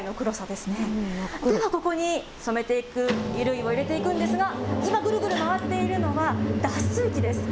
では、ここに染めていく衣類を入れていくんですが、こちら、ぐるぐる回っているのは、脱水機です。